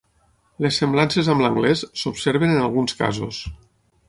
Les semblances amb l'anglès s'observen en alguns casos.